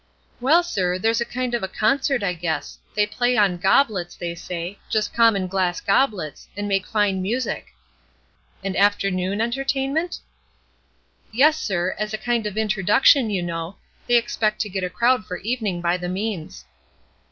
"Well, sir, there's a kind of a concert, I guess. They play on goblets, they say just common glass goblets and make fine music." "An afternoon entertainment?" "Yes, sir, as a kind of introduction, you know; they expect to get a crowd for evening by the means."